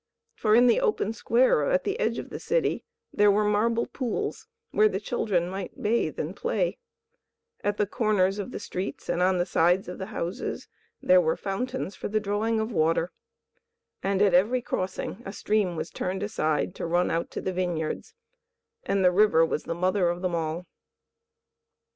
For in the open square at the edge of the city there were marble pools where the children might bathe and play; at the corners of the streets and on the sides of the houses there were fountains for the drawing of water; at every crossing a stream was turned aside to run out to the vineyards; and the river was the mother of them all.